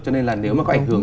cho nên là nếu mà có ảnh hưởng